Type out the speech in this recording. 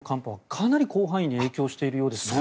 今回の寒波はかなり広範囲に影響しているようですね。